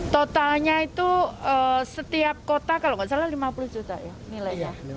totalnya itu setiap kota kalau tidak salah lima puluh juta ya nilainya